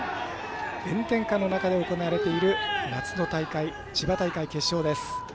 炎天下の中で行われている夏の大会、千葉大会決勝です。